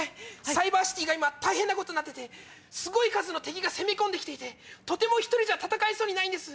サイバーシティーが今大変なことになっててすごい数の敵が攻め込んで来ていてとても１人じゃ戦えそうにないんです。